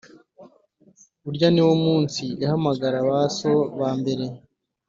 Urya ni wo munsi ihamagara ba So ba mbere,